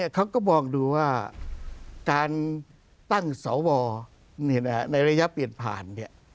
เขาก็มองดูว่าการตั้งสวในระยะเปลี่ยนผ่าน